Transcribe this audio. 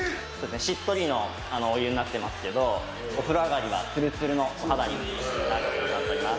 しっとりのお湯になってますけど、お風呂上がりは、つるつるのお肌になると思います。